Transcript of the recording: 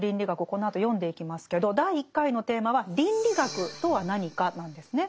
このあと読んでいきますけど第１回のテーマは「倫理学とは何か」なんですね。